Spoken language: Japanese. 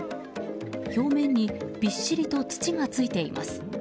表面にびっしりと土がついています。